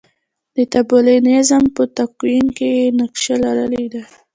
د طالبانیزم په تکوین کې یې نقش لرلی دی.